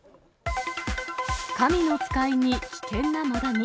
神の使いに危険なマダニ。